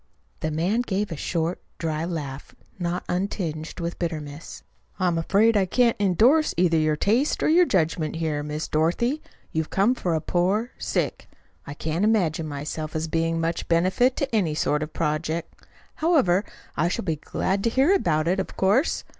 The man gave a short, dry laugh, not untinged with bitterness. "I'm afraid I can't endorse either your taste or your judgment there, Miss Dorothy. You've come for a poor stick. I can't imagine myself as being much benefit to any sort of project. However, I shall be glad to hear about it, of course.